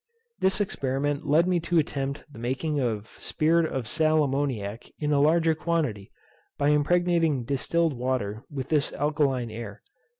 This experiment led me to attempt the making of spirit of sal ammoniac in a larger quantity, by impregnating distilled water with this alkaline air.